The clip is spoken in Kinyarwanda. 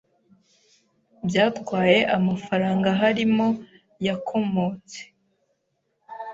byatwaye amafaranga harimo yakomotse